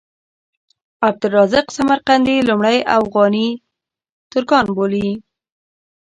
عبدالرزاق سمرقندي لومړی اوغاني ترکان بولي.